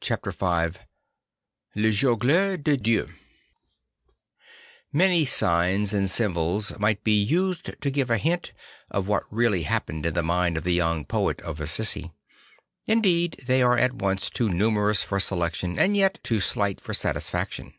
Chapter J7 Le Jongleur de Dieu 1:ANY signs and symbols might be used to give a hint of what really happened in the mind of the young poet of Assisi. Indeed they are at once too numerous for selection and yet too slight for satisfaction.